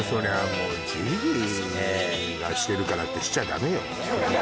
もうジュリーがしてるからってしちゃダメよ